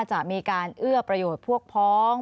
จะมีการเอื้อประโยชน์พวกพ้อง